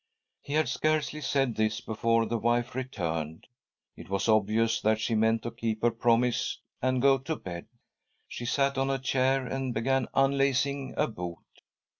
He had scarcely said this before the wife re turned. It was obvious that she meant to keep her promise and go to bed. She sat on a chair and began unlacing a boot.